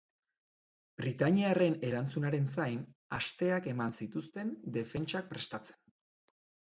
Britaniarren erantzunaren zain, asteak eman zituzten defentsak prestatzen.